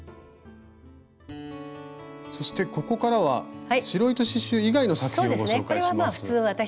そしてここからは白糸刺しゅう以外の作品をご紹介します。